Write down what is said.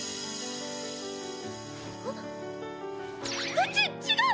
あっち違う！